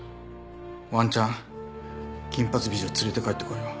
ワンチャン金髪美女連れて帰ってこいよ。